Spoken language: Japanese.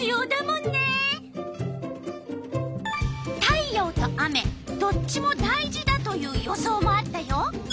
太陽と雨どっちも大事だという予想もあったよ。